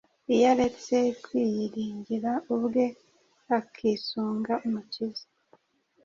iyo aretse kwiyiringira ubwe akisunga umukiza